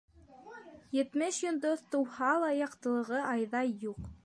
Етмеш йондоҙ тыуһа ла, яҡтылығы айҙай юҡ.